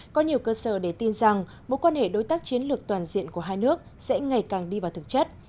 có nhiều cơ sở để tin rằng mối quan hệ đối tác chiến lược toàn diện của hai nước sẽ ngày càng đi vào thực chất